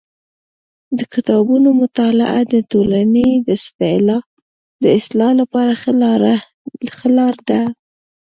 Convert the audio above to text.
د کتابونو مطالعه د ټولني د اصلاح لپاره ښه لار ده.